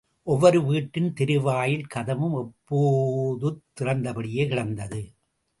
ஒவ்வொரு வீட்டின் தெரு வாயில் கதவும் எப்போதுத் திறந்தபடியே கிடந்தது.